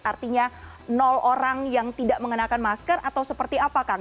artinya orang yang tidak mengenakan masker atau seperti apa kang